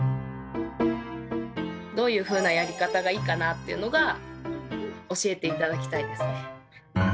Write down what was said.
どういうふうなやり方がいいかなっていうのが教えて頂きたいですね。